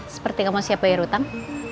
seperti kamu siap bayar utang